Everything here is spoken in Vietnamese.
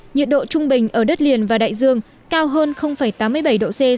nhiệt độ trung bình ở đất liền và đại dương cao hơn tám mươi bảy độ c